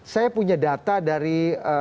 saya punya data dari